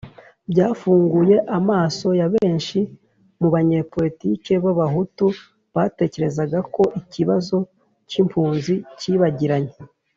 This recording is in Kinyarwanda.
byafunguye amaso ya benshi mu banyepolitiki b'abahutu batekerezaga ko ikibazo cy'impunzi cyibagiranye,